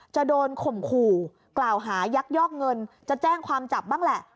จะโดนข่มขู่กล่าวหายักยอกเงินจะแจ้งความจับบ้างแหละ